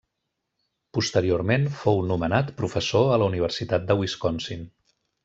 Posteriorment fou nomenat professor a la Universitat de Wisconsin.